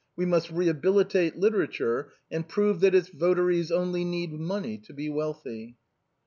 We must rehabilitate literature, and prove that its votaries only need money to be wealthy."